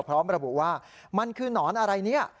พร้อมระบุว่ามันคือหนอนอะไรเนี่ย